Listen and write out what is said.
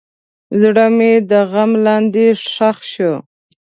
زړه مې د غم لاندې ښخ شو.